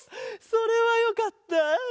それはよかった！